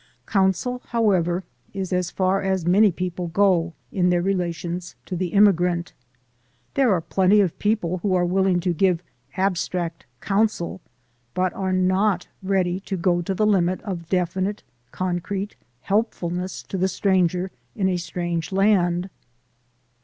Counsel, however, is as far as many people go in their relations to the immigrant. There are plenty of people who are willing to give ab stract counsel, but are not ready to go to the limit of definite, concrete helpfulness to the stranger in a strange land.